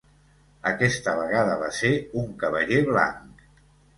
Aquesta vegada va ser un Cavaller Blanc.